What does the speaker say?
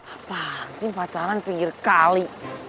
apa sih pacaran pinggir kali